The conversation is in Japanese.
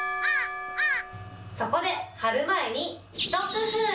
そこで貼る前に、一工夫。